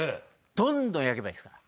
どんどん焼けばいいですから。